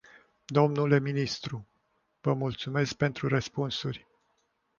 Domnule ministru, vă mulțumesc pentru răspunsuri.